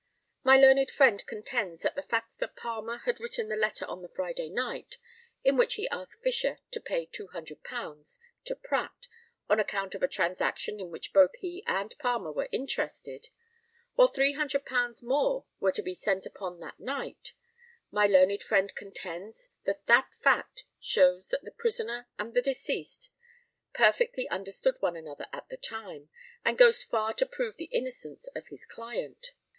My learned friend contends that the fact that Palmer had written the letter on the Friday night, in which he asked Fisher to pay £200 to Pratt, on account of a transaction in which both he and Palmer were interested, while £300 more were to be sent upon that night my learned friend contends that that fact shows that the prisoner and the deceased perfectly understood one another at the time, and goes far to prove the innocence of his client.